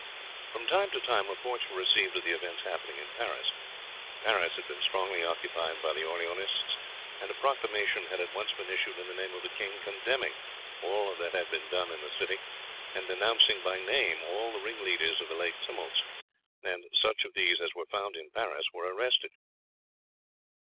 From time to time reports were received of the events happening in Paris. Paris had been strongly occupied by the Orleanists, and a proclamation had at once been issued in the name of the king condemning all that had been done in the city, and denouncing by name all the ringleaders of the late tumults, and such of these as were found in Paris were arrested.